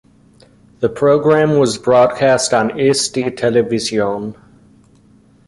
The programme was broadcast on Eesti Televisioon.